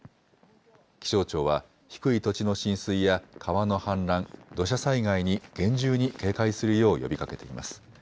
気象庁は低い土地の浸水や川の氾濫、土砂災害に厳重に警戒するよう呼びかけています。